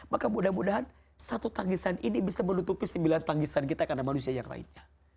maka mudah mudahan satu tangisan ini bisa menutupi sembilan tangisan kita karena manusia yang lainnya